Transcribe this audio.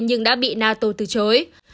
nhưng đã bị nato từ chối